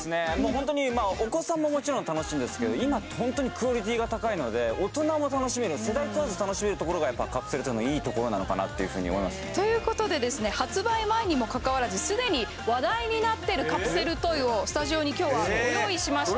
ホントにお子さんももちろん楽しいんですけど今ってホントにクオリティーが高いので大人も楽しめる世代問わず楽しめるところがやっぱカプセルトイのいいところなのかなって思いますねということで発売前にもかかわらず既に話題になっているカプセルトイをスタジオに今日はご用意しました